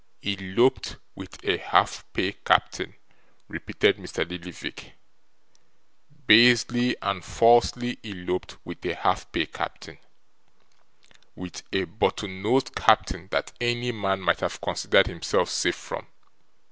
'Eloped with a half pay captain,' repeated Mr. Lillyvick, 'basely and falsely eloped with a half pay captain. With a bottle nosed captain that any man might have considered himself safe from.